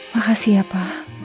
makasih ya pa